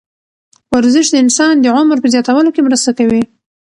ورزش د انسان د عمر په زیاتولو کې مرسته کوي.